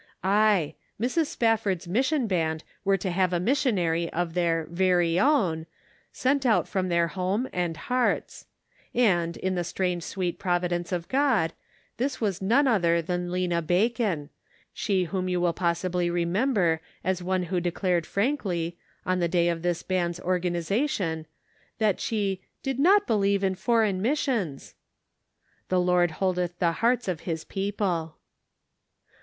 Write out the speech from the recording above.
Aye, Mrs. Spafford's mission band were to have a missionary of their " very own," sent out from their home and hearts ; arid, in the strange sweet providence of God, this was none other than Lena Bacon — she whom you will possibly remember as one who declared frankly, on the day of this band's organization, that she " did not believe in Foreign .Mis sions I "" The Lord holdeth the hearts of his people."